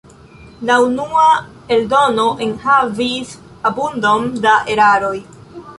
La unua eldono enhavis abundon da eraroj.